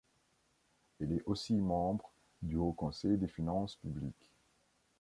Elle est aussi membre du Haut Conseil des finances publiques.